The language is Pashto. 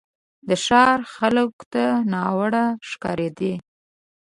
د ښار خلکو ته ناوړه ښکارېدی.